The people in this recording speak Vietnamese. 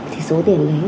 thì số tiền đấy